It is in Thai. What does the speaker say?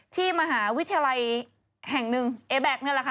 ที่มหาวิทยาลัยแห่งหนึ่งเอแบ็คนี่แหละค่ะ